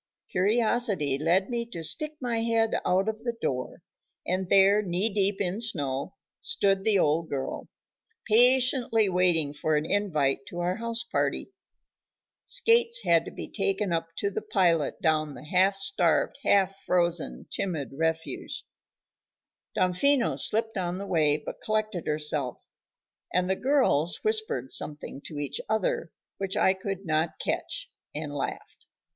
Curiosity led me to stick my head out of the door, and there, knee deep in snow, stood the old girl, patiently waiting for an invite to our house party. Skates had to be taken up to pilot down the half starved, half frozen, timid refugee. Damfino slipped on the way but collected herself, and the "girls" whispered something to each other, which I could not catch, and laughed.